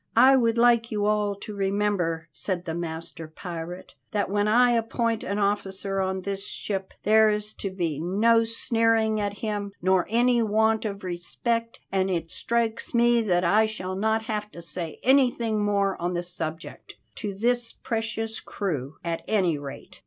"I would like you all to remember," said the master pirate, "that when I appoint an officer on this ship, there is to be no sneering at him nor any want of respect, and it strikes me that I shall not have to say anything more on the subject to this precious crew, at any rate."